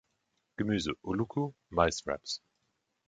Gemüse: Ulluco, Mais-Wrappes.